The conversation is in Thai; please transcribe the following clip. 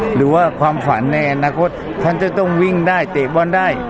หรือว่าความขวัญในอนาคตท่านจะต้องวิ่งได้เตะบอลได้